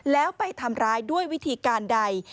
แล้วไปทำร้ายด้วยวิธีการใด